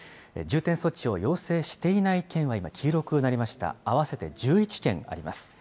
重点措置を要請していない県は今、黄色くなりました、合わせて１１県あります。